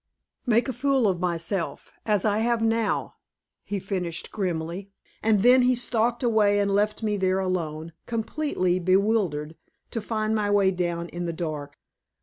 "Make a fool of myself, as I have now," he finished grimly. And then he stalked away and left me there alone, completely bewildered, to find my way down in the dark.